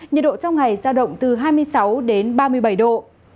nhiệt độ trong ngày giao động từ hai mươi sáu đến ba mươi bảy độ